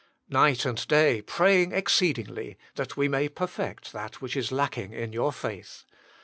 "Night and day praying exceedingly, that we may perfect that which is lacking in your faith."